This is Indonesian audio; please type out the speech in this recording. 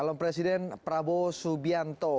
jalur presiden prabowo subianto